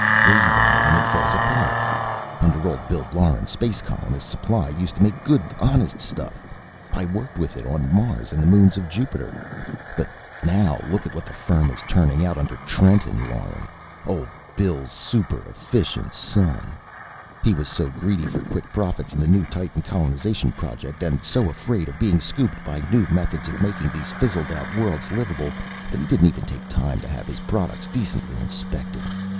"Breathe on it and it falls apart! Under old Bill Lauren, Space Colonists' Supply used to make good, honest stuff. I worked with it on Mars and the moons of Jupiter. But now look what the firm is turning out under Trenton Lauren, old Bill's super efficient son! He was so greedy for quick profits in the new Titan colonization project, and so afraid of being scooped by new methods of making these fizzled out worlds livable, that he didn't even take time to have his products decently inspected!